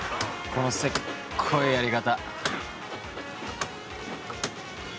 このせっこいやり方